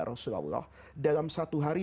rasulullah dalam satu hari